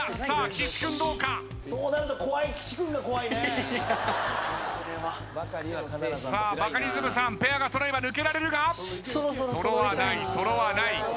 さあバカリズムさんペアが揃えば抜けられるが揃わない。